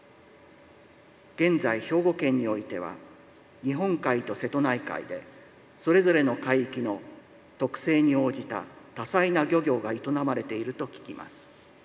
現在、兵庫県においては日本海と瀬戸内海でそれぞれの海域の特性に応じた多彩な漁業が営まれていると聞きます。